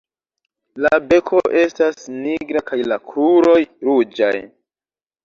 La beko estas nigra kaj la kruroj ruĝaj.